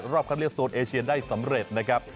รอบคำเรียกโซนเอเชียนได้สำเร็จนะครับ